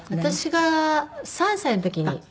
私が３歳の時に。